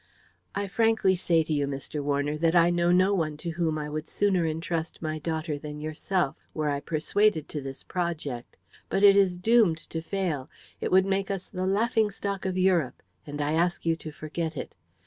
"I frankly say to you, Mr. Warner, that I know no one to whom I would sooner entrust my daughter than yourself, were I persuaded to this project. But it is doomed to fail. It would make us the laughing stock of Europe, and I ask you to forget it.